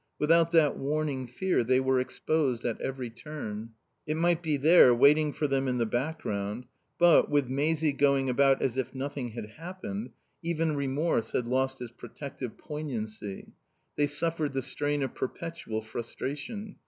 Without that warning fear they were exposed at every turn. It might be there, waiting for them in the background, but, with Maisie going about as if nothing had happened, even remorse had lost its protective poignancy. They suffered the strain of perpetual frustration.